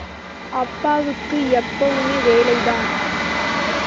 அப்பாவுக்கு எப்பவும் வேலை தான்.